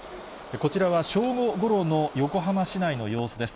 こちらは正午ごろの横浜市内の様子です。